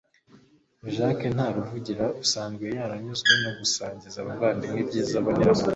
jacques ntaruvugiro usanzwe yaranyuzwe no gusangiza abavandimwe ibyiza abonera mu